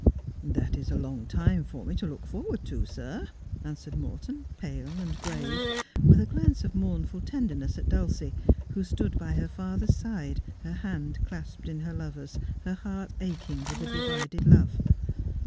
' That is a long time for me to look forward to, sir,' answered Morton, pale and grave, with a glance of mournful tenderness at Dulcie, who stood by her father's side, her hand clasped in her lover's, her heart aching with a divided love.